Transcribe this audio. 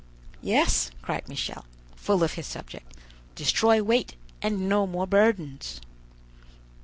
"Yes," cried Michel, full of his subject, "destroy weight, and no more burdens!"